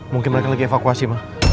mungkin mereka lagi evakuasi